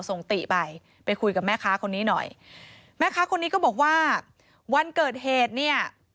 ติไปไปคุยกับแม่ค้าคนนี้หน่อยแม่ค้าคนนี้ก็บอกว่าวันเกิดเหตุเนี่ย